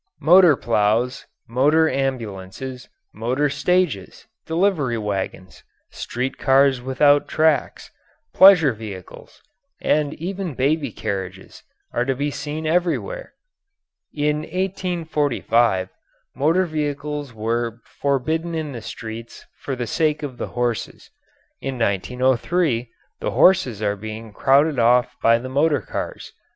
Motor plows, motor ambulances, motor stages, delivery wagons, street cars without tracks, pleasure vehicles, and even baby carriages, are to be seen everywhere. In 1845, motor vehicles were forbidden the streets for the sake of the horses; in 1903, the horses are being crowded off by the motor cars.